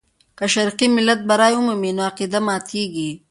که شرقي ملت بری ومومي، نو عقیده ماتېږي.